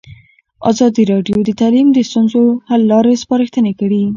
ازادي راډیو د تعلیم د ستونزو حل لارې سپارښتنې کړي.